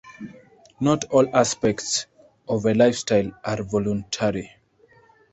Not all aspects of a lifestyle are voluntary.